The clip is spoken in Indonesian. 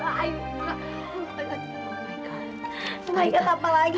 ayu gak tau apa lagi